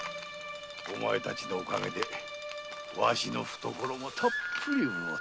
お前たちのおかげでわしの懐もたっぷり潤った。